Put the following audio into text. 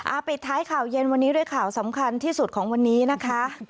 ปิดท้ายข่าวเย็นวันนี้ด้วยข่าวสำคัญที่สุดของวันนี้นะคะ